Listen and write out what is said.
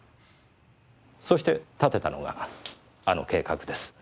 そして立てたのがあの計画です。